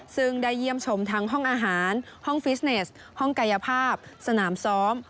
ซึ่งได้เยี่ยมชมทั้งห้องอาหารห้องฟิสเนสห้องกายภาพสนามซ้อม